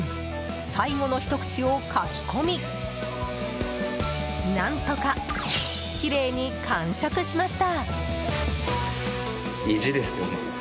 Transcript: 最後のひと口をかき込み何とかきれいに完食しました。